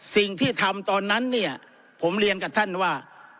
สิ่งที่ทำตอนนั้นเนี่ยผมเรียนกับท่านว่า